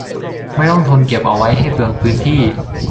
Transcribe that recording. ไม่ต้องทนเก็บเอาไว้ให้เปลืองพื้นที่